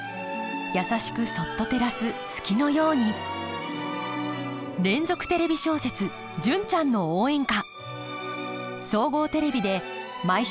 優しくそっと照らす月のように連続テレビ小説「純ちゃんの応援歌」。